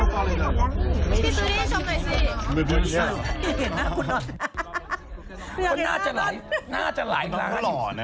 คนน่าจะหลายน่าจะหลายครั้ง